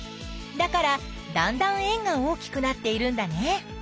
だからだんだん円が大きくなっているんだね。